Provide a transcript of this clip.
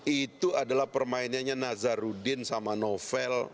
itu adalah permainannya nazarudin sama novel